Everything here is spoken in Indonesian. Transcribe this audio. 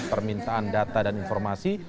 permintaan data dan informasi